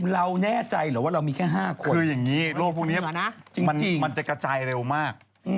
เราแน่ใจเหรอว่าเรามีแค่๕คนคืออย่างนี้โรคพวกนี้มันจะกระจายเร็วมาก